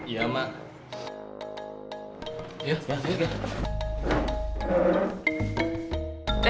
ya mas ini dah